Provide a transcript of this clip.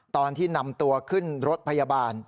ตอนที่นำตัวขึ้นรถพยาบาล